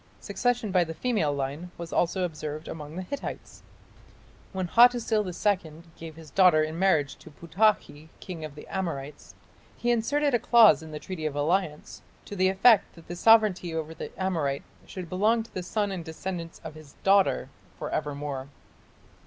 Succession by the female line was also observed among the Hittites. When Hattusil II gave his daughter in marriage to Putakhi, king of the Amorites, he inserted a clause in the treaty of alliance "to the effect that the sovereignty over the Amorite should belong to the son and descendants of his daughter for evermore".